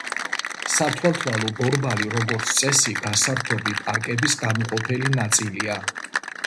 სათვალთვალო ბორბალი, როგორც წესი, გასართობი პარკების განუყოფელი ნაწილია.